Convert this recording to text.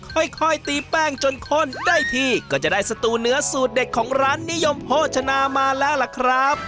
ค่อยค่อยตีแป้งจนข้นได้ทีก็จะได้สตูเนื้อสูตรเด็ดของร้านนิยมโภชนามาแล้วล่ะครับ